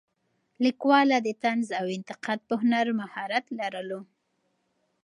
لیکواله د طنز او انتقاد په هنر مهارت لرلو.